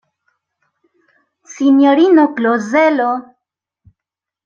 Sinjorino Klozelo!